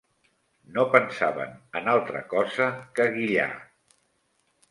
No pensaven en altra cosa que guillar.